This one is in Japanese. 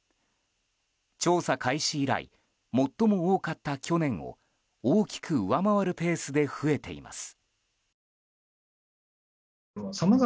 調査開始以来最も多かった去年を大きく上回るペースで増えています。